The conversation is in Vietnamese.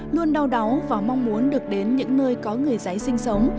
luôn đau đáu và mong muốn được đến những nơi có người giấy sinh sống